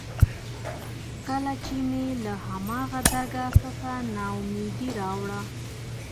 کله چې مې له هماغه درګاه څخه نا اميدي راوړه.